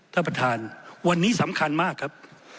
ท่านประธานวันนี้สำคัญมากครับ